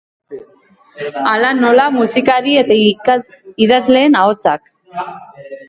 Hala nola musikari eta idazleen ahotsak.